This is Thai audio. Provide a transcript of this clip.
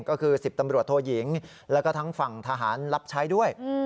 ก็คือ๑๐ตำรวจโทยิงแล้วก็ทั้งฝั่งทหารรับใช้ด้วย